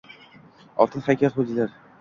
Oltin haykal qo’ydilar.